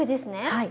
はい。